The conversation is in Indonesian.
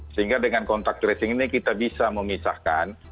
sehingga dengan kontak tracing ini kita bisa memisahkan